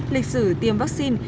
lịch sử tiêm vaccine